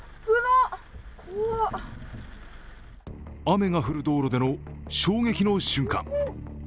雨が降る道路での衝撃の瞬間。